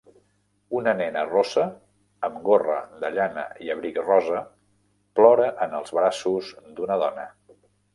una nena rossa amb gorra de llana i abric rosa plora en els braços d'una dona.